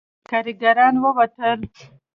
کارګران ووتل.